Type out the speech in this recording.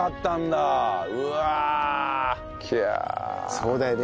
そうだよね。